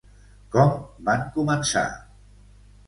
Com van començar?